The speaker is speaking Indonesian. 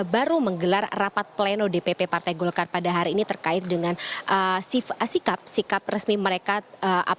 baru menggelar rapat pleno dpp partai golkar pada hari ini terkait dengan sikap sikap resmi mereka